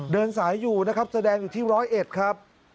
เดินสายอยู่นะครับแสดงอยู่ที่ร้อยเอ็ดครับ